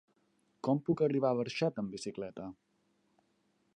Com puc arribar a Barxeta amb bicicleta?